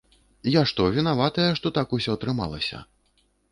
Я што, вінаватая, што так усё атрымалася?